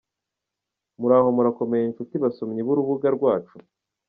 Muraho murakomeye nshuti basomyi b’urubuga rwacu!